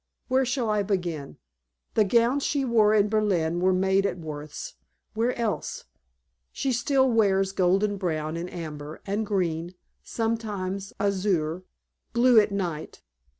Where shall I begin? The gowns she wore in Berlin were made at Worth's. Where else? She still wears golden brown, and amber, and green sometimes azure blue at night.